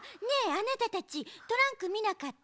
あなたたちトランクみなかった？